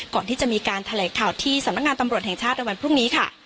ก่อนที่จะมีการแถลงข่าวที่สำนักงานตำรวจแห่งชาติในวันพรุ่งนี้ค่ะ